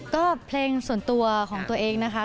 ก็เพลงส่วนตัวของตัวเองนะคะ